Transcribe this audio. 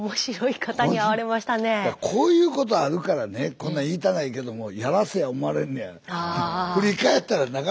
いやこういうことあるからねこんな言いたないけどもやらせや思われんねや。